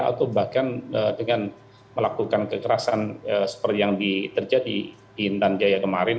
atau bahkan dengan melakukan kekerasan seperti yang terjadi di intan jaya kemarin